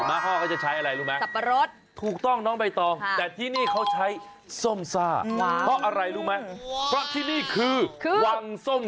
ม้าฮอร์เขาจะใช้อะไรรู้ไหม